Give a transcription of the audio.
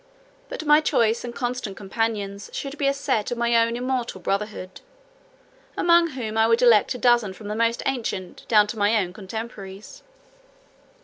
But my choice and constant companions should be a set of my own immortal brotherhood; among whom, I would elect a dozen from the most ancient, down to my own contemporaries.